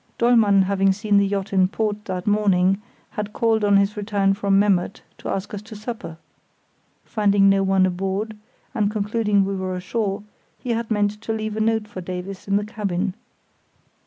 Dollmann having seen the yacht in port that morning had called on his return from Memmert to ask us to supper. Finding no one aboard, and concluding we were ashore, he had meant to leave a note for Davies in the cabin.